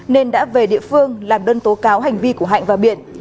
nên đã về địa phương làm đơn tố cáo hành vi của hạnh và biển